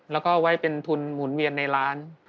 แล้วก็ไว้เป็นทุนหมุนเวียนในร้าน